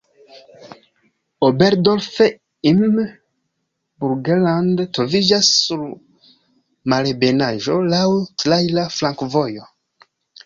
Oberdorf im Burgenland troviĝas sur malebenaĵo, laŭ traira flankovojo.